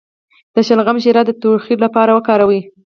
د شلغم شیره د ټوخي لپاره وکاروئ